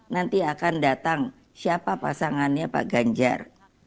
nanti akan datang siapa pasangannya pak ganjar